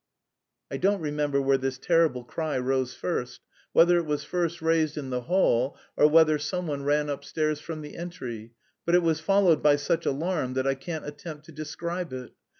I don't remember where this terrible cry rose first, whether it was first raised in the hall, or whether someone ran upstairs from the entry, but it was followed by such alarm that I can't attempt to describe it.